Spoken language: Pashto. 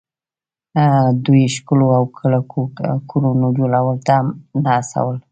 دوی ښکلو او کلکو کورونو جوړولو ته نه هڅول